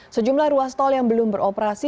sejumlah ruas tol yang belum beroperasi